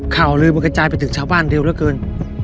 ข่าวลือมันกระจายไปถึงชาวบ้านเร็วเหลือเกิน